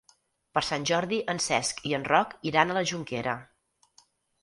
Per Sant Jordi en Cesc i en Roc iran a la Jonquera.